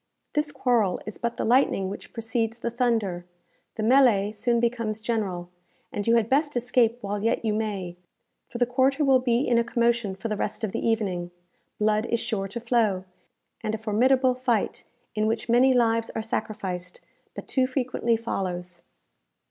This quarrel is but the lightning which precedes the thunder. The melée soon becomes general, and you had best escape while yet you may; for the quarter will be in a commotion for the rest of the evening. Blood is sure to flow, and a formidable fight, in which many lives are sacrificed, but too frequently follows.